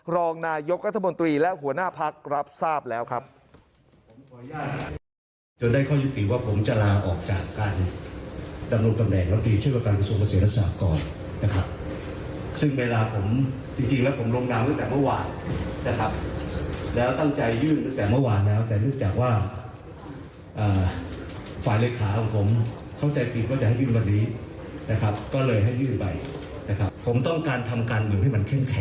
รองนายกรัฐมนตรีและหัวหน้าพักรับทราบแล้วครับ